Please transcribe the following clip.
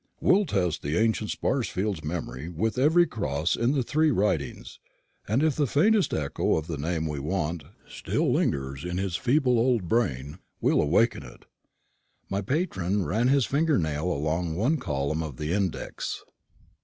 "We'll test the ancient Sparsfield's memory with every Cross in the three Ridings, and if the faintest echo of the name we want still lingers in his feeble old brain, we'll awaken it." My patron ran his finger nail along one of the columns of the index.